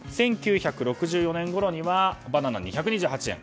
１９６４年ごろにはバナナ、２２８円。